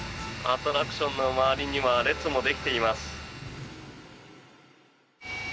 アトラクションの周りには列もできています。